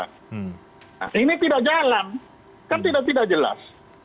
nah ini tidak jalan kan tidak tidak jelas